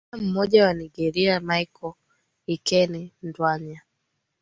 raia mmoja wa nigeria michael ikena ndwanya